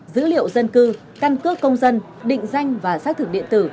dữ liệu dân cư căn cước công dân định danh và xác thực điện tử